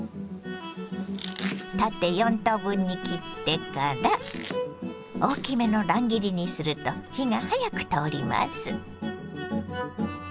縦４等分に切ってから大きめの乱切りにすると火が早く通ります。